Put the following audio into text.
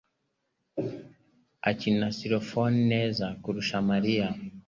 akina xylophone neza kurusha Mariya.